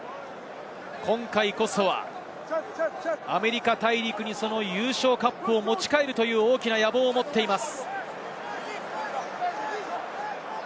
今回こそはアメリカ大陸に優勝カップを持ち帰るという大きな野望を持っています。